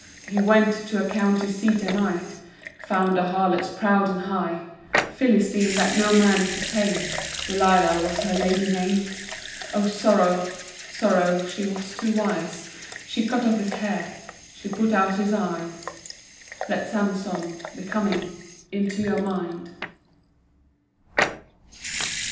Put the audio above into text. He went to a county seat a nigh. Found a harlot proud and high: Philistine that no man could tame Delilah was her lady name. Oh sorrow, Sorrow, She was too wise. She cut off his hair, She put out his eyes. Let Samson Be coming Into your mind.